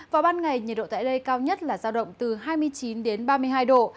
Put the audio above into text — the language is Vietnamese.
vào ban ngày nhiệt độ tại đây cao nhất là giao động từ hai mươi chín đến ba mươi hai độ